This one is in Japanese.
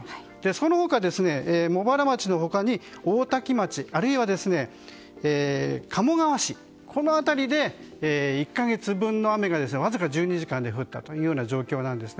その他、茂原町の他に大多喜町あるいは鴨川市の辺りで１か月分の雨がわずか１２時間で降った状況です。